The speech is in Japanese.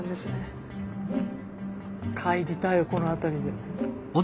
帰りたいよこの辺りで。